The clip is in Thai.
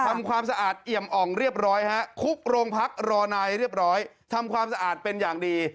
ความสะอาดเอี่ยมอ่องเรียบร้อยฮะคุกโรงพักรอนายเรียบร้อยทำความสะอาดเป็นอย่างดี